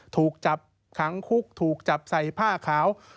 ถูกจับขังคุกถูกจับใส่ผ้าขาว